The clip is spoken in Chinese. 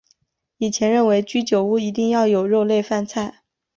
以前认为居酒屋一定要有肉类饭菜。